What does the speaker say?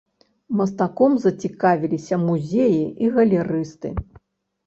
Мастаком зацікавіліся музеі і галерысты.